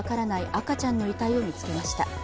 赤ちゃんの遺体を見つけました。